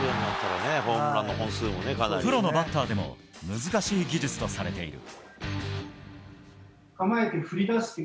プロのバッターでも難しい技術とされている。